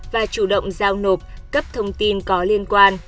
và chủ động giao nộp cấp thông tin có liên quan